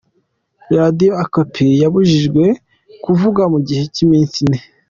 Radio Okapi yabujijwe kuvuga mu gihe cy’iminsi ine